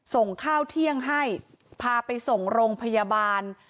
ส่งข้าวเที่ยงให้พาไปส่งโรงพยาบาล